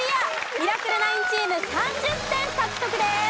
ミラクル９チーム３０点獲得です。